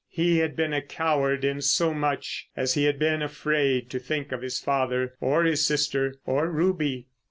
He had been a coward in so much as he had been afraid to think of his father or his sister—or Ruby.